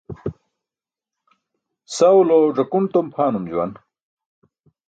Sawulo ẓakun tom pʰaanum juwan.